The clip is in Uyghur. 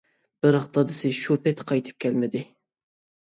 بىراق، دادىسى شۇ پېتى قايتىپ كەلمىدى.